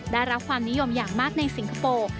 ได้รับความนิยมอย่างมากในสิงคโปร์